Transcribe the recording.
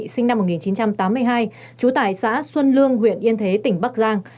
sinh năm một nghìn chín trăm tám mươi hai trú tại xã xuân lương huyện yên thế tỉnh bắc giang